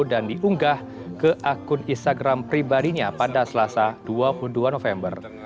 dan diunggah ke akun instagram pribadinya pada selasa dua puluh dua november